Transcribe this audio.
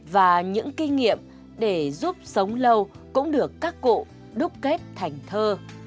và những kinh nghiệm để giúp sống lâu cũng được các cụ đúc kết thành thơ